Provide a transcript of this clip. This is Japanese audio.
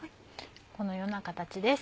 このような形です。